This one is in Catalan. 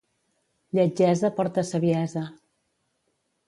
Lletgesa porta saviesa.